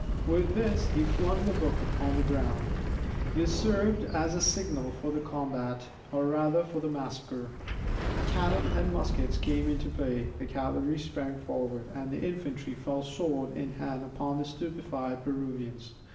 With this he flung the book upon the ground. This served as a signal for the combat, or rather for the massacre. Cannon and muskets came into play, the cavalry sprang forward, and the infantry fell sword in hand upon the stupefied Peruvians.